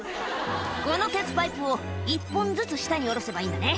「この鉄パイプを１本ずつ下に降ろせばいいんだね」